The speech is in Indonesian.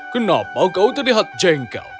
kenapa kau terlihat jengkel